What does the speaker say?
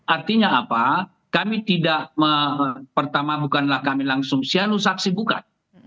artinya apa kami tidak pertama bukanlah kami langsung siano saksi bukan